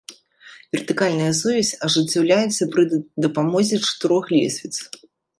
Вертыкальная сувязь ажыццяўляецца пры дапамозе чатырох лесвіц.